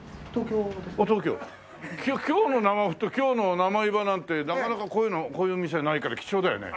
京の生ふと京の生ゆばなんてなかなかこういう店ないから貴重だよね。